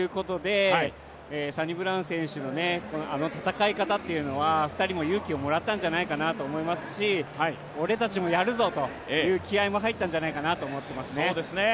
歴史をつくるということでサニブラウン選手があの戦い方は２人も勇気をもらったんじゃないかなと思いますし俺たちもやるぞという気合いも入ったんじゃないかと思いますね。